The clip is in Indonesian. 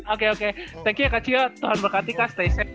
oke oke thank you ya kak cio tuhan berkati kak stay safe